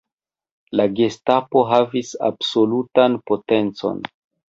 La Gestapo havis absolutan potencon.